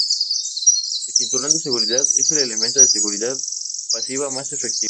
El cinturón de seguridad es el elemento de seguridad pasiva más efectivo.